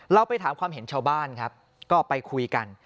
เราไปถามความเห็นชาวบ้านครับก็ไปคุยกัน